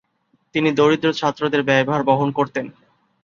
তিনি দরিদ্র ছাত্রদের ব্যয়ভার বহন করতেন।